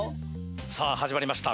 さぁ始まりました